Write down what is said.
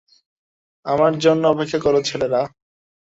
আমার জন্য অপেক্ষা কর, ছেলেরা!